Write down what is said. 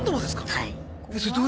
はい。